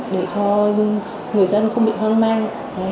để cho người dân không bị hoang mang